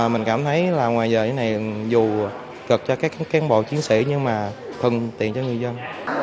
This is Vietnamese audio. mình cảm thấy là ngoài giờ như thế này dù cực cho các cán bộ chiến sĩ nhưng mà thân tiện cho người dân